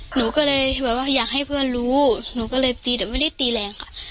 หนูก็เลยแบบว่าอยากให้เพื่อนรู้หนูก็เลยตีแต่ไม่ได้ตีแรงค่ะ